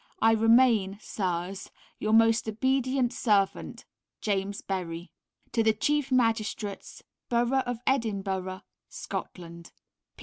I remain, Sirs, Your Most Obedient Servant, JAMES BERRY. To The Chief Magistrates, Borough of Edinburgh, Scotland.